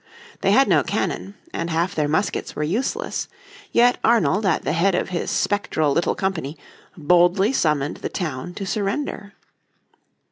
They had no cannon, and half their muskets were useless. Yet Arnold at the head of his spectral little company boldly summoned the town to surrender.